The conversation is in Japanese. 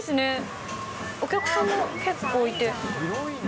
お客さんも結構いて。